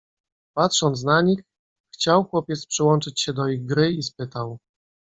"Patrząc na nich, chciał chłopiec przyłączyć się do ich gry i spytał?"